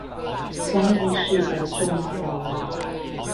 嘉義市的重要道路